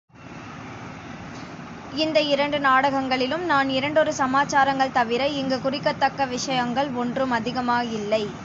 இந்த இரண்டு நாடகங்களிலும் நான் இரண்டொரு சமாச்சாரங்கள் தவிர இங்குக் குறிக்கத்தக்க விஷயங்கள் ஒன்றும் அதிகமாயில்லை.